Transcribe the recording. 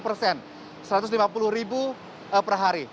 satu ratus lima puluh ribu per hari